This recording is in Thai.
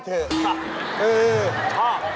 เออ